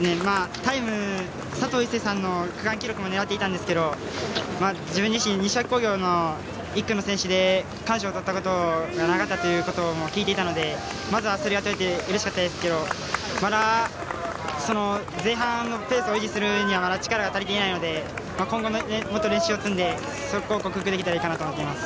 佐藤一世さんの区間記録も狙っていたんですけれども自分自身西脇工業の１区の選手で区間賞をとったことがなかったことも聞いていたのでまずはそれがとれてうれしかったですけども前半のペースを維持するにはまだ力が足りていないので今後、もっと練習を積んでそこを克服できたらいいかなと思います。